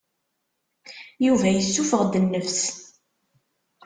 Yuba yessuffeɣ-d nnefs.